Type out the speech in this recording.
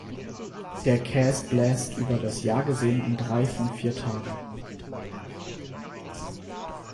Der Cers bläst über das Jahr gesehen an drei von vier Tagen.